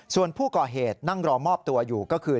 ส่วนผู้ก่อเหตุนั่งรอมอบตัวอยู่ก็คือ